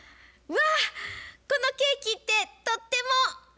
わっこのケーキってとっても。